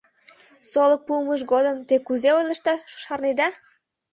Солык пуымыж годым те кузе ойлышда, шарнеда?